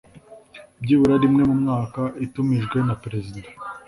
byibura rimwe mu mwaka itumijwe na perezida